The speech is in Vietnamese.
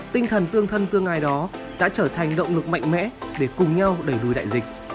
tinh thần tương thân tương ái đó đã trở thành động lực mạnh mẽ để cùng nhau đẩy đuôi đại dịch